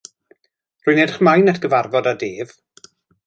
Rwy'n edrych ymlaen at gyfarfod â Dave.